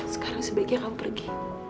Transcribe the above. sekarang sebaiknya kamu pergi